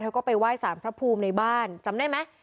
ก็ไปไหว้สารพระภูมิในบ้านจำได้ไหม